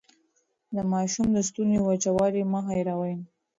د ماشوم د ستوني وچوالی مه هېروئ.